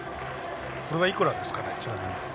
これはいくらですか？